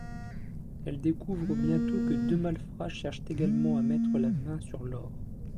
Elles découvrent bientôt que deux malfrats cherchent également à mettre la main sur l'or.